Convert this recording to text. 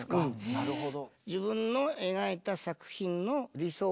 なるほど。